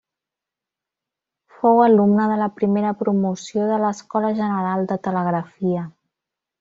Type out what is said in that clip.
Fou alumne de la primera promoció de l'Escola General de Telegrafia.